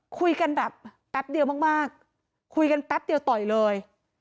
คุยกันแบบแป๊บเดียวมากคุยกันแป๊บเดียวต่อยเลย